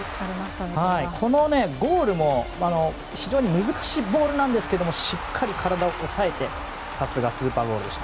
このゴールも非常に難しいボールなんですがしっかり体を抑えてさすがスーパーゴールでした。